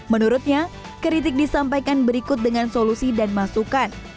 menurutnya kritik disampaikan berikut dengan solusi dan masukan